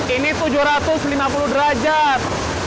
ini tujuh ratus lima puluh derajat